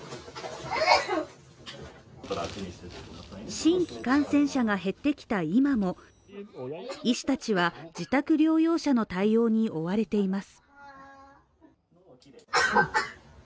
新規感染者が減ってきた今も医師たちは自宅療養者の対応に追われています。